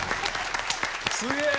すげえ！